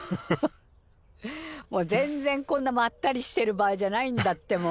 もう全然こんなまったりしてる場合じゃないんだってもう。